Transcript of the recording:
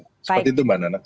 seperti itu mbak nana